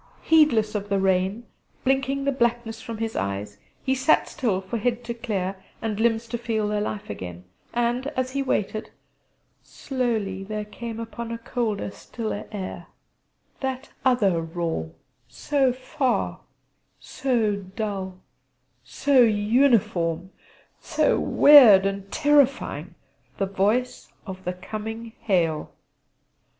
Heedless of the rain, blinking the blackness from his eyes, he sat still for head to clear, and limbs to feel their life again; and, as he waited, slowly there came upon a colder stiller air that other roar, so far, so dull, so uniform; so weird and terrifying the voice of the coming hail.